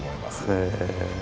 へえ。